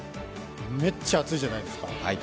めっちゃ暑いじゃないですか。